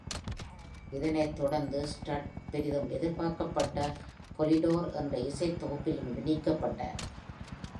இதனைத் தொடர்ந்து, Studt பெரிதும் எதிர்பார்க்கப்பட்ட Polydor என்ற இசைத் தொகுப்பிலிருந்து நீக்கப்பட்டார்.